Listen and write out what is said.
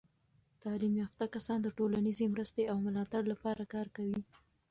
تعلیم یافته کسان د ټولنیزې مرستې او ملاتړ لپاره کار کوي.